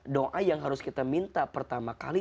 doa yang harus kita minta pertama kali